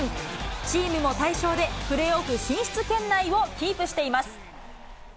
チームも大勝で、プレーオフ進出圏内をキープしています。